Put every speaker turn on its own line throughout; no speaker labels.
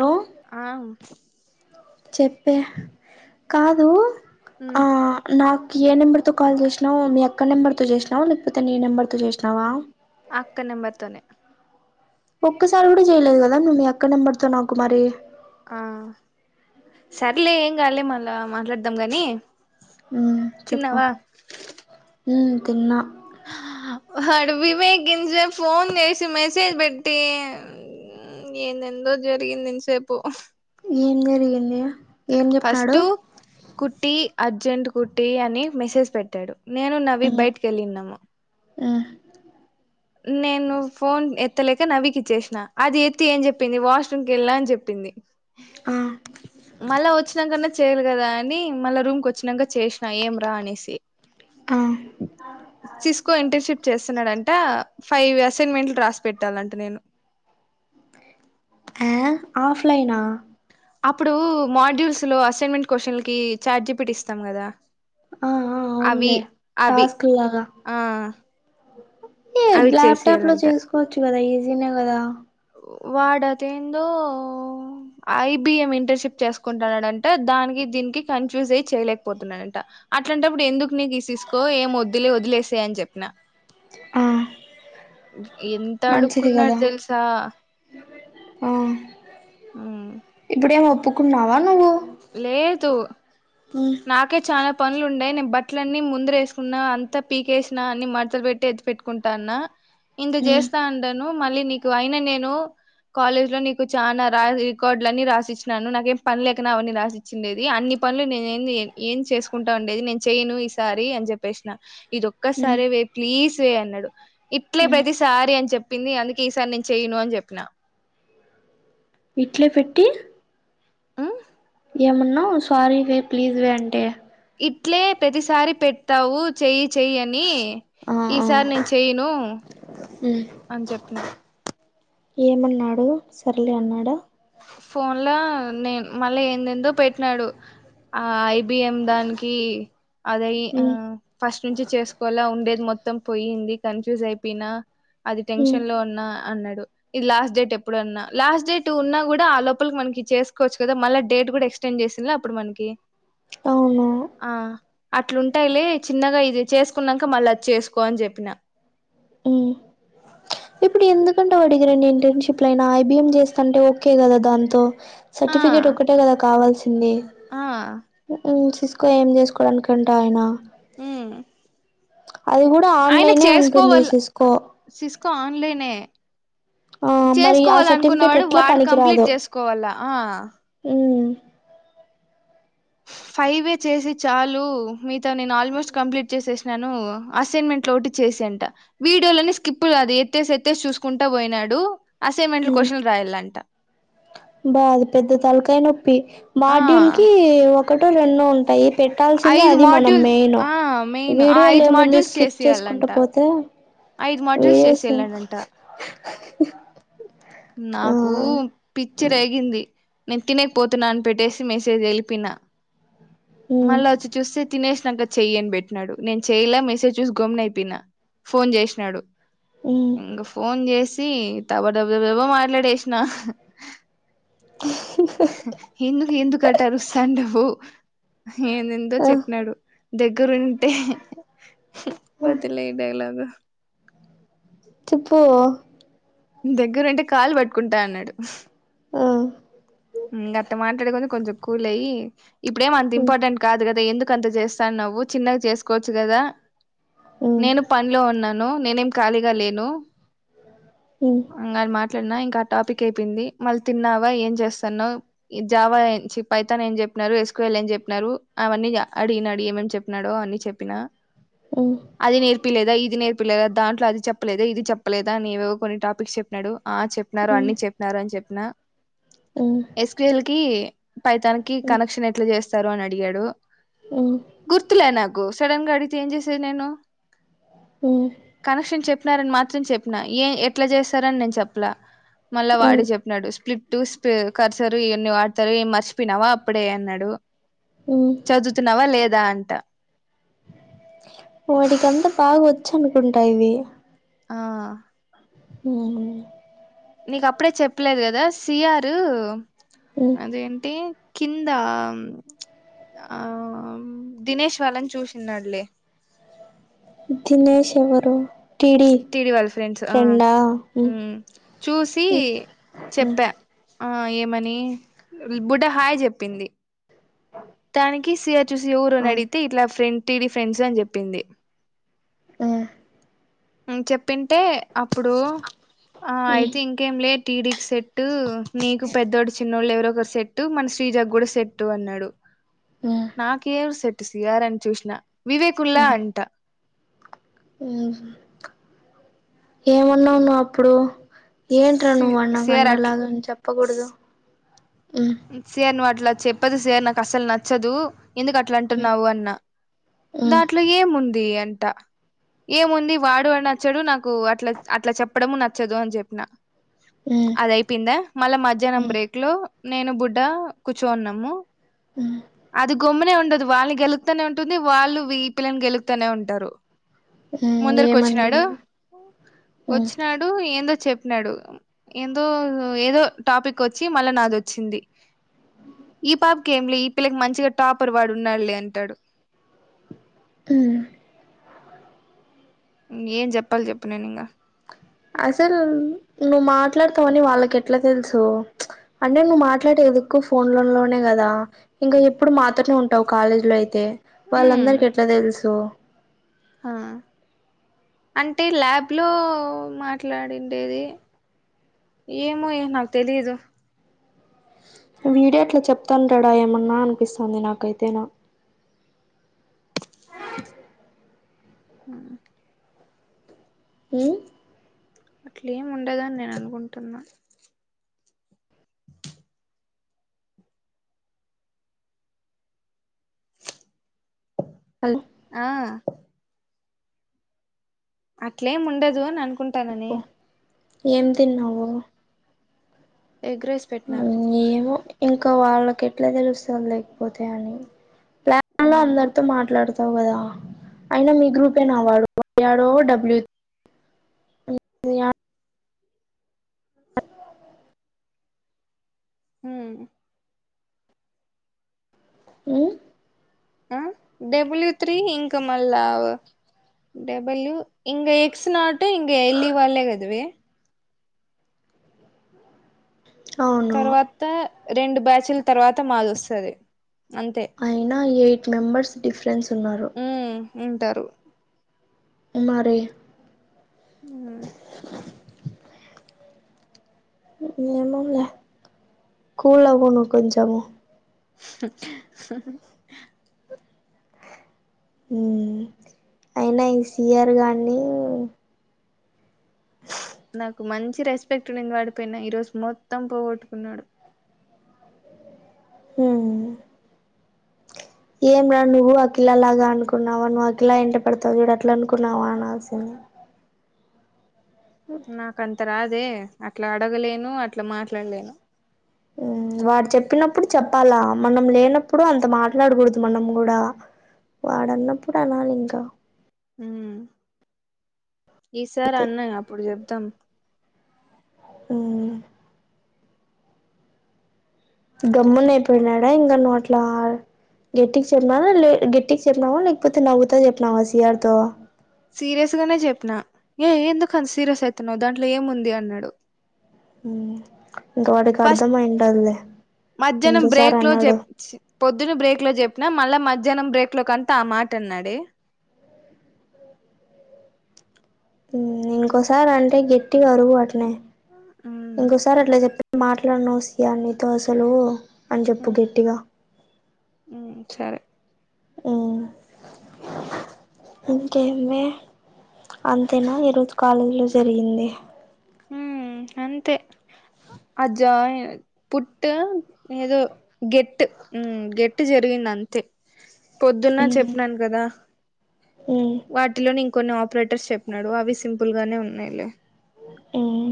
hello
ఆ
చెప్పే కాదు
ఉమ్
ఆ నాకు ఏ నెంబర్ తో కాల్ చేసినావ్ మీ అక్క నెంబర్ తో చేసినావా లేకపోతే నీ నెంబర్ తో చేసినావా
అక్క నెంబర్ తోనే
ఒక్కసారి కూడా చేయలేదు కదా నువ్ మీ అక్క నెంబర్తో నాకు మరి
ఆ సర్ లే ఏం కాలే మళ్ళ మాట్లాడదాం గాని
ఉమ్ చెప్పు
తిన్నావా
ఉమ్ తిన్న
హడవివే గింత సేపు ఫోన్ చేసి మెసేజ్ పెట్టి ఉమ్ ఏందెందో జరిగింది ఇంత సేపు
ఏం జరిగిందే
ఫస్ట్ కుటియి అర్జెంట్ కుట్టియీ అని మెసేజ్ పెట్టాడు నేను నవీ బయటకి వెళ్ళిన్నాము
ఉమ్
నేను ఫోన్ ఎత్తలేక నవీకిచ్చేసినా అది ఎత్తి ఏం చెప్పింది వాష్రూమ్కి వెళ్ళా అని చెప్పింది
ఆ
మళ్ళా వచ్చినాకన్నా చేయ్యల కదా అని మళ్ళా రూమ్ కి వచ్చినాక చేసినా ఏం రా అనేసి
ఆ
సిస్కో ఇంటర్నషిప్ చేస్తున్నాడంట ఫైవ్ అసైన్మెంట్లు రాసి పెట్టాలంటనేను
ఆ ఆఫ్ లైనా
అప్పుడు మాడ్యూల్స్ లో అసైన్మెంట్ క్వశ్చన్ల కి ఛాట్ జిపిటి ఇస్తాం కదా
ఆ ఆ
అవి
అవునులే
అవి
టాస్క్ లాగా
ఆ
ఏ
అవి
ల్యాప్టాప్ లో
చేసియాలంట
చేసుకోవచ్చు కదా ఈజీనే కదా
వాడుఅది ఏందో ఐబిఎం ఇంటర్షిప్ చేసుకుంటాన్నాడంట దానికి దీనికి కన్ఫ్యూజ్ అయి చేయలేకపోతున్నాడంట అట్లాంటప్పుడు ఎందుకు నీకు సీసుకో ఏం వద్దులే వదిలేసాయ్ చెప్పినా
ఆ
ఎంత
మంచిది
అడుకున్నాడు
కదా
తెలుసా
ఆ
ఉమ్
ఇప్పుడేం ఒప్పుకున్నావా నువ్వు
లేదు
ఉమ్
నాకే చాలా పనులు ఉండయి నే బట్టలన్నీ ముందర వేసుకున్నా అంతా పీకేసినా అన్ని మడతలు పెట్టి ఎత్తి పెట్టుకుంటా ఉన్న ఇంత
ఉమ్
చేస్తా ఉండాను మళ్ళీ నీకు అయిన నేను కాలేజ్ లో నీకు చానా రా రికార్డులని రాసిచ్చినాను నాకేం పని లేకనా రాసిచ్చిండేది అన్ని పనులు నేను ఏంది ఏం చేసుకుంటా ఉండేది నేను చేయను ఈసారి అని చెప్పేసిన ఇది
ఉమ్
ఒక్కసారే వే ప్లీజ్ వే అన్నాడు ఇట్లే
ఉమ్
ప్రతిసారి అని చెప్ప చెప్పింది అందుకే ఈసారి నేను చెయ్యను అని చెప్పిన
ఇట్లే పెట్టి
ఉమ్,
ఏమన్నావు సారీవే ప్లీజ్ వే అంటే
ఇట్లే ప్రతిసారి పెడతావు చెయ్యి చెయ్యని
ఆ ఆ
ఈసారి నేను చెయ్యను
ఉమ్
అని చెప్పిన
ఏమన్నాడు సర్లే అన్నాడా
ఫోన్ లో నే మళ్ళీ ఏందేందో పెట్టినాడు ఆ ఐబిఎం దానికి అదయ్ ఆ
ఉమ్
ఫస్ట్ నుంచి చేసుకోవాల ఉండేది మొత్తం పోయింది కన్ఫ్యూజ్ అయిపోయినా అది
ఉమ్
టెన్షన్ లో ఉన్నా అన్నాడు ఇది లాస్ట్ డేట్ ఎప్పుడు అన్నా లాస్ట్ డేట్ ఉన్నా కూడా ఆ లోపలకి మనకి చేసుకోవచ్చు కదా మళ్ళ డేట్ కూడా ఎక్సచెంజ్ చేసింలా అప్పుడు మనకి
అవును
ఆ అట్లుంటాయిలే చిన్నగా ఇది చేసుకున్నాక మళ్ళ అది చేసుకో అని చెప్పిన
ఉమ్ ఇప్పుడు ఎందుకంట వాడికి రెండు ఇంటర్నషిప్ లైన ఐబిఎం చేస్తాంటే ఓకే కదా దాంతో
ఆ
సర్టిఫికెట్ ఒకటే కదా కావాల్సింది
ఆ
ఇంక ఏం చేసుకోవడానికంట ఆయన
ఉమ్
అది కూడా ఆన్
ఆయన
లైనే ఓపెన్
చేసుకోవల్ల
చేసింది
సిస్కో ఆన్ లైనే
ఆ మరి ఆ
చేసుకోవాల
సర్టిఫికేట్
అనుకున్నవాడు
ఎట్లా
వాడు కంప్లీట్
పనికిరాదు
చేసుకోవాలా ఆ ఫైవే చేసి చాలు మీగతా వి నేను ఆల్మోస్ట్ కంప్లీట్ చేసేసి నాను అసైన్మెంట్ లో ఒకటి చేసై అంట వీడియోలన్ని స్కిప్ లు అది ఎత్తేసి ఎత్తేసి చూసుకుంటా పోయినాడు అసైన్మెంట్ క్వశ్చలు రాయాలంట
బాది పెద్ద తలకాయ నొప్పి
ఆ
మాడ్యూల్ కి ఒక ఒకక్కట రెన్నూ ఉంటాయి పెట్టాల్సిందే
ఐదు
అది మనం
మాడ్యూల్
మెయిన్
ఆ మెయిన్ ఆ
వీడియో
ఐదు
లేముంది
మాడ్యూల్స్
స్కిప్ చేసుకుంట
చేసేయాలంట
పోతే
ఐదు మోడ్రల్స్ చేసే
వీడియోస్
వెళ్ళడంట
ఆ
నాకు పిచ్చరెగింది నేను తినకపోతున్నా అని పెట్టేసి మెసేజ్ వెలిపిన
ఉమ్
మళ్ళీ వచ్చి చూస్తే తినేసాక చెయ్యిని పెట్టినాడు నేను చెయలా మెసేజ్ చూసి గమ్న అయిపోయినా ఫోన్ చేసినాడు
ఉమ్
ఇంగ ఫన్ చేసి సి తబడబడబబ్బో మాట్లాడేసిన ఎందుకు ఎందుకుట్టారు సండవు ఏందెందో
ఆ
చెప్పినాడు దగ్గరంటే బదిలేయి డైలాగ్
చెప్పు
దగ్గరంటే కాలు పట్టుకుంటా అన్నాడు
ఆ
గట్ట మాట్లాడే కొంచం కొంచెం కూల్య ఇప్పుడే అంత
ఉమ్
ఇంపార్టెంట్ కాదు కదా ఎందుకు అంత చేస్తాను నువ్వు చిన్నగా చేసుకోవచ్చు కదా
ఉమ్
నేను పనిలో ఉన్నాను నేనేం ఖాళీగా లేను
ఉమ్
మాట్లాడినా ఇంకా టాపిక్ అయిపోంది మళ్ళీ తిన్నావా ఏం చేస్తా జావా పైతాన్ ఏం చెప్పినారు ఎస్కువల్ ఏం చెప్పినారు అవన్నీ అడిగినడు ఏమ చెప్పినాడు అన్ని చెప్పిన
ఉమ్
అది నేర్పిలేదా ఇది నేర్పు పిల్లల దాంట్లో అది చెప్పలేదదు ఇది చెప్పలేదా అని ఏవో కొన్ని టాపిక్స్ చెప్పినాడు ఆ చెప్పిన
ఉమ్
అన్ని చెప్పిన అని చెప్పిన
ఉమ్
ఎస్పిఎల్ కి పైతానికి
ఉమ్
కనెక్షన్ ఎట్లా చేస్తారు అని అడిగాడు
ఉమ్
గుర్తులే నాకు సడన్ గా అడితే ఏంజ చేసేది నేను
ఉమ్
కనెక్షన్ చె చెనారని మాత్రం చెప్పిన ఏ ఎట్లా చేస్తారని నేను చెప్పలే మళ్ళ
ఉమ్
వాడు చెప్పినడు స్ప్లిప్ టూస్ కర్చారు ఇవన్నీ వాడతారు ఏ మర్చిపోయినావా అప్పుడే అన్నాడు
ఉమ్
చదువుతున్నావా లేదా అంట
వాడికింత బాగా వచ్చు అనుకుంటా ఇవి
ఆ
ఆ
నీకు అప్పుడే చెప్పలేదు కదా సిఆారు
ఉమ్
అదేంటి కింద ఆ దినేష్ వాళ్ళని చూసినళ్లే
దినేష్ ఎవరు టీడీ
తిడి వాళ్ళ ఫ్రెండ్స్ ఆ
ఫ్రెండా ఉ
చూసి చెప్పా ఆ ఏమని బుడ్డ హాయ్ చెప్పింది తానికి సిఆర్ చూసి ఎఊరో అడిగితే ఇట్లా ఫ్రెండ్ టీడీ ఫ్రెండ్స్ అని చెప్పింది చెప్పింటే అప్పుడు ఆ అయితే ఇంకేం లే టీడీ సెట్టు నీకు పెద్దవాడు చిన్నోళ్ళు ఎవరో ఒకరు సెట్టు మన శ్రీజగ్ కూడా సెట్టు అన్నాడు నాకేం సెట్ సయారని చూసినా వివేకుల్లా అంట
ఆ ఏమన్నావు నువ్వు అప్పుడు ఏంట్రా నువ్ అన్నావు
సిఆర్
అన్న లాగాని చెప్పకూడదు
సర్ని వాట్లా చెప్పదు సర్ నాకు అసలు నచ్చదు ఎందుకు అట్లా అంటున్నావు అన్న దాంట్లో ఏముంది అ అంట ఏముంది వాడు అని నచ్చడు నాకు అట్లా అట్లా చెప్పడము నచ్చదు అని చెప్పిన అదయిపోయిందా మళ్ళ మధ్యాహ్నం బ్రేక్ లో నేను బుడ్డ కూర్చోన్నాము అది గొమ్మునే ఉండదు వాళ్ళని గెలుగుతానే ఉంటుంది వాళ్ళు పిల్లని గెలుగుతూనే ఉంటారు ముందరుకొచ్చినాడు
ఏమనింది
వొచ్చినాడు ఏందో చెప్నాడు ఏందో ఏదో టాపికొచ్చి మళ్ళా నాదొచ్చింది ఈ పాప్ కేమ్లి ఈ పిల్లకి మంచిగా టాపర్ వాడు ఉన్నాళ్ళే అంటాడు
హుమ్
ఇంగేమ్ జొప్పల్ల జెప్పు నేనింగ
అసలు నువ్వు మాట్లాడతావని వాళ్ళకెట్లా తెలుసు అంటే నువ్వు మాట్లాడే ందుకు ఫోన్ లో లోనే గదా ఇంకా ఎప్పుడు మాతోనే ఉంటావ్ కాలేజీ లో అయితే వాళ్ళందరికి ఎట్లా దెలుసు
హ అంటే ల్యాబ్ లో మాట్లాడిండేది ఏమో ఏ నాకు తెలిదు
వీడి అట్లా చెప్తాంటడా ఏమన్నా అనిపిస్తాంది నాకైతేనా
ఆ
ఊ
అట్లేమ్ ఉండదని నేన్ అనుకుంటున్నా
హలో
ఆ అట్లేం ఉండదు అని అనుకుంటాననే
ఏమ్ తిన్నావు
ఎగ్ రైస్ పెట్నారు
ఇంక వాళ్ళకి ఎట్లా దెలుస్తుంది లేకపోతే అని [unintelligible]
మ్మ్
అందరితో మాట్లాడు డవు గదా అయినా మీ గ్రూపేనా వాడు యాడో డబ్ల్యూ [inaudible]
హూమ్
ఊ
ఆ డబ్ల్యూ త్రీ ఇంక మల్లా డబల్యూ ఇంగ ఎక్స్ నాటు ఇంగ ఎల్ఈ వాళ్ళే గద వే
అవును
తర్వాత రెండు బ్యాచ్ల తర్వాత మాది వస్తది అంతే
అయైన ఎయిట్ మెంబర్స్ డిఫరెన్స్ ఉన్నారు
ఉమ్ ఉంటారు
ఉమ్మారి
ఆ
ఏమోలే కూలవ్వు నువ్వు కొంచము ఊ అయినా ఈ సిఆర్ గాన్ని
నాకు మంచి రెస్పెక్ట్ ఉన్నింది వాడిపైన ఈ రోజు మొత్తం పోగొట్టుకున్నాడు
హూ ఏం రా నువ్వు ఆకిలా లాగా అనుకున్నావా నువ్వు అకిిలా ఎంట పడతావు చూడు అట్లా అనుకున్నావా అనాల్సింది అవు
నాకంత రాదే అట్లా అడగలేను అట్లా మాట్లాల్లేను
ఉ వాడు చెప్పినప్పుడు చెప్పాలా మనం లేనప్పుడు అంత మాట్లాడకూడదు మనం గూడా వాడన్నప్పుడు అనాలి ఇంగా
ఊ ఈసారి
అంతే
అన్నాని అప్పుడు చెప్దాం
ఊ గమ్మున అయిపోయినాడా ఇంగ నువ్వట్లా గట్టికి చెప్పినవా లే గట్టికి చెప్పినావా లేకపోతే నవ్వుతా చెప్పినావా సిఆర్ తో
సీరియస్ గానే చెప్పిన ఏ ఎందుకుంత సీరియస్ అవుతున్నావ్ దాంట్లో ఏముంది అన్నాడు
ఉ ఇంక వాడికి అర్ధమైంటాదిలే
మధ్యానం బ్రేక్ లో చెప్ పొద్దున బ్రేక్ లో చెప్పిన మళ్ళా మద్ ద్యానం బ్రేక్ లో కంతా ఆ మాటన్నాడే
ఇంకోసార్ అంటే గెట్టిగ అరువు అట్నే
ఉమ్,
ఇంకోసారి అట్లా చెప్ మాట్లాడనువు సియా నీతో అసలు అని చెప్పు గట్టిగా
మ్ సరే
హూ మ్ ఇంకే అమ్మీ అంతేనా ఈరోజు రుజ కాలేజీలో జరిగింది
ఉమ్ అంతే అజ్జా పుట్ ఏదో గెట్ గెట్ జరిగింది అంతే పొద్దున్న
ఉమ్
చెప్పినను కదా
ఉమ్
వాటిలోనే ఇంకొన్ని ఆపరేటర్స్ చెప్పినాడు అవి సింపుల్ గానే ఉన్నాయిలే
ఏయ్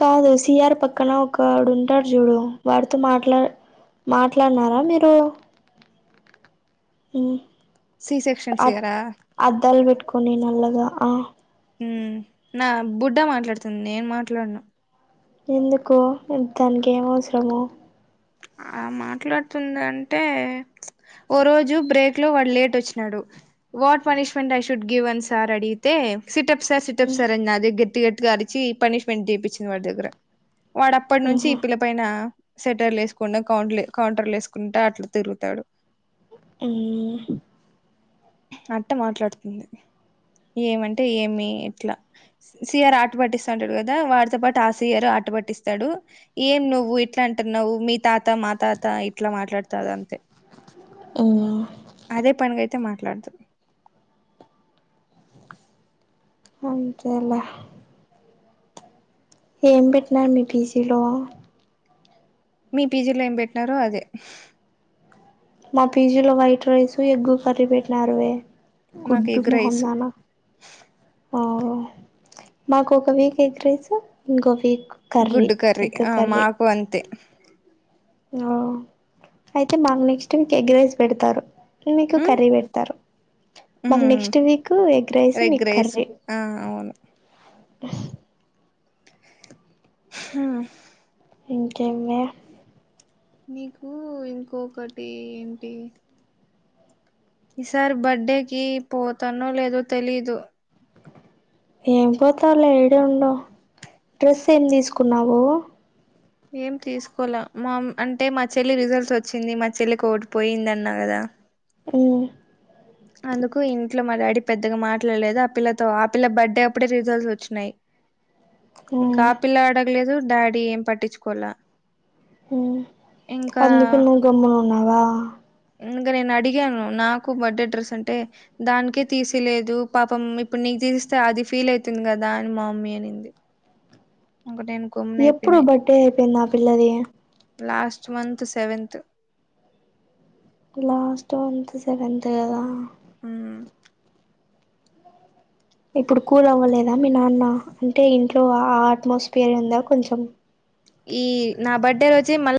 కాదు సిఆర్ పక్కన ఒకడుంటాడు చూడు వాడితో మాట్లా మాట్లాడినారా మీరు మ్
సి సెక్షన్స్
అ
ఇయరా
అద్దాలు పెట్టుకోని నల్లగా ఆ
మ్ నా బుడ్డ మాట్లాడుతుంది నేను మాట్లాడును
ఎందుకు దానికి ఏం అవసరము
ఆ మాట్లాడుతుంది అంటే ఓ రోజు బ్రేక్ లో వాడు లేట్ వచ్చినాడు what punishment I should give one sir అడిగితే సిటప్ సార్ సిటప్
ఉమ్
సార్ అని నా దగ్గర గట్టి గట్టిగా అరిచి పనిష్మెంట్ చేపిచ్చింది వాడి దగ్గర వాడప్పటి నుంచి
ఉహు
ఈ పిల్ల పైన సెటర్లేసు కుంటా కౌంటర్ కౌంటర్లేసుకుంటా అట్లు తిగుతాడు
ఉమ్
అట్ట మాట్లాడుతుంది ఏమంటే ఏమి ఇట్లా సిఆర్ ఆట పట్టిస్తుంటాడు కదా వాడితో పాటు ఆ సిఆర్ ఆ ట పట్టిస్తాడు ఏం నువ్వు ఇట్లా అంటన్నావ్వు మీ తాత మా తాత ఇట్లా మాట్లాడుతాద అంతే
[unintelligible] ఉమ్
అదే పనిగా అయితే మాట్లాడదు
అంతేలె ఏ పెట్టినారు మీ పీజీలో
మీ పీజీలో ఏం పెట్టినారో అదే
మా పిజీ లో వైట్ రైస్ ఎగ్గు కర్రీ పెట్టినారు వే
మాకు
గుడ్డు
ఎగ్ రైస్
మొహందానా మాకు ఒక వీక్ ఎగ్ రైస్ ఇంకో వీక్
గుడ్డు కర్రీ ఆ మాకు అంతే
ఓ అయితే మాకు నెక్స్ట్ వీక్ ఎగ్ రైస్ పెడతారు మీకు
ఉమ్
కర్రీ పెడతారు మాకు
ఉమ్
నెక్స్ట్ వీక్ ఎగ్ రైస్ మీకు కర్రీ
మవును మ్..
ఇంకేం వే
నీకు ఇంకొకటి ఏంటి ఈసార్ బర్త్డేకి పోతానో లేదో తెలీదు
ఏం పోతావులె ఈడె ఉండు డ్రెస్ ఏం తీసుకున్నావు
ఏం తీసుకోల మా అంటే మా చెల్లి రిజల్ట్ వచ్చింది మా చెల్లికి ఒకటి పోయింద అన్నా కదా
మ్
అందుకు ఇంట్లో మా డాడీ పెద్దగా మాట్లాడలేదు ఆ పిల్లతో ఆ పిల్ల బర్త్డే అప్పుడే రిజల్ట్స్ వచ్చినాయి ఇంకా
మ్మ్
ఆ పిల్ల అడగలేదు డాడీ ఏం పట్టించుకోల
అందుకు నువ్వు గమ్మున ఉన్నావా
ఇంక నేను అడిగాను నాకు బర్డే అడ్రెస్ అంటే దానికీ తీసీలేదు పాపం ఇప్పుడు నీ కు తీస్తే అది ఫీల్ అవుతుంది కదా అని మా మమ్మీ అనింది ఇంక నేను గమ్మున
ఎప్పుడు
అయిపోయినా
బర్త్డే అయిపోయింది ఆ పిల్లది
last month seventh
last month seventh కదా
హ్మ్
ఇప్పుడు కూల్ అవ్వలేదా మీ నాన్న అంటే ఇంట్లో ఆ అట్మాస్ఫియర్ ఉందా కొంచం
ఈ నా బర్త్డే రోజె మళ్